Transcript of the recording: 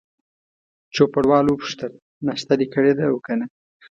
چوپړوال وپوښتل: ناشته دي کړې ده او که نه؟